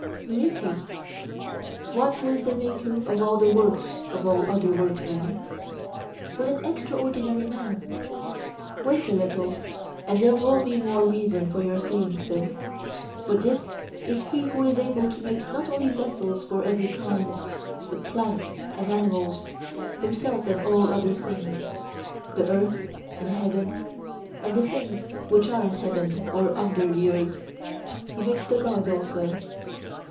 Who is he? One who is the maker of all the works of all other workmen. What an extraordinary man! Wait a little, and there will be more reason for your saying so. For this is he who is able to make not only vessels of every kind, but plants and animals, himself and all other things—the earth and heaven, and the things which are in heaven or under the earth; he makes the gods also.